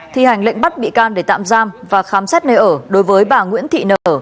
thi hành lệnh bắt bị can để tạm giam và khám xét nơi ở đối với bà nguyễn thị nở